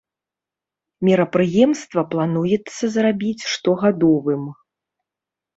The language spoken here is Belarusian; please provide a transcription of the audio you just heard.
Мерапрыемства плануецца зрабіць штогадовым.